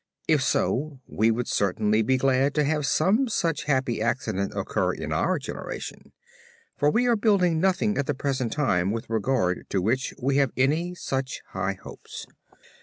If so we would certainly be glad to have some such happy accident occur in our generation, for we are building nothing at the present time with regard to which we have any such high hopes.